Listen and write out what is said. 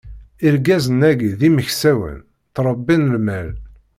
Irgazen-agi d imeksawen, ttṛebbin lmal.